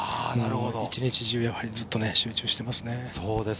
一日中ずっと集中していますね。